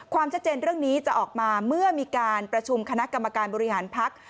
ความชัดเจนเรื่องนี้จะออกมาเมื่อมีการประชุมคณะกรรมการบริหารพัก